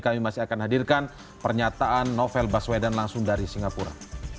kami masih akan hadirkan pernyataan novel baswedan langsung dari singapura